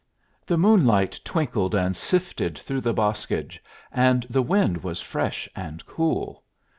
The moonlight twinkled and sifted through the boscage, and the wind was fresh and cool.